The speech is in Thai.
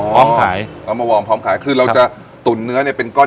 พร้อมขายพร้อมมาวอร์มพร้อมขายคือเราจะตุ๋นเนื้อเนี่ยเป็นก้อน